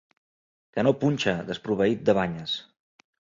Que no punxa, desproveït de banyes.